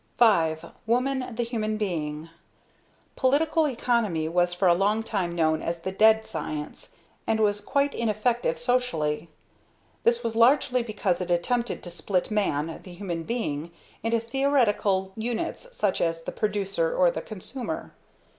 V. Woman, the human being. Political economy was for a long time known as the "dead science" and was quite ineffective socially. This was largely because it attempted to split man, the human being, into theoretical units such as "the producer," or "the consumer."